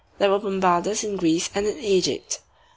there were Bombardas in Greece and in Egypt.